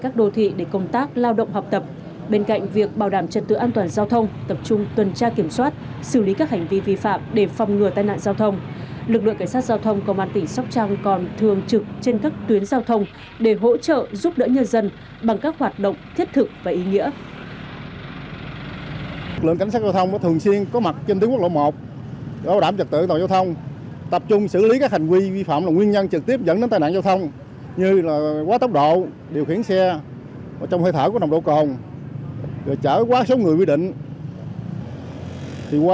khi đi qua địa bàn tỉnh sóc trăng lực lượng cảnh sát giao thông công an tỉnh đã lập chốt dừng chân tại khu vực xã an hiệp huyện châu thành để hỗ trợ người dân khi đi ngang qua đây